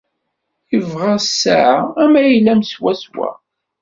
Yebɣa ssaεa am ayla-m swaswa.